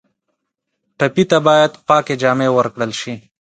ټپي ته باید پاکې جامې ورکړل شي.